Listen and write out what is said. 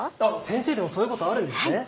先生でもそういうことあるんですね。